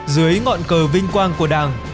dưới ngọn cờ vinh quang của đảng